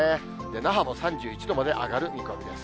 那覇も３１度まで上がる見込みです。